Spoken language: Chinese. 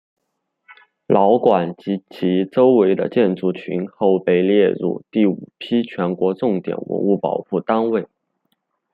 老馆及其周围的建筑群后被列入第五批全国重点文物保护单位。